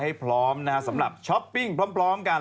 ให้พร้อมนะฮะสำหรับช้อปปิ้งพร้อมกัน